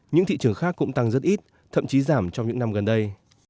những thị trường khác cũng tăng rất ít thậm chí giảm trong những năm gần đây